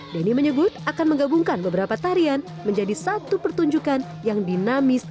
denny menyebut akan menggabungkan beberapa tarian menjadi satu pertunjukan yang dinamis